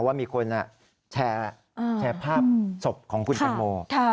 ว่ามีคนแชร์ภาพศพของคุณแตงโม